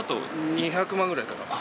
２００万ぐらいかな。